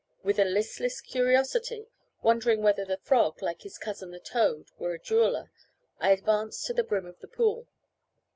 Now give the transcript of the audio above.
With a listless curiosity, wondering whether the frog, like his cousin the toad, were a jeweller, I advanced to the brim of the pool.